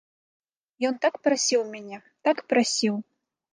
Ён так прасіў мяне, так прасіў.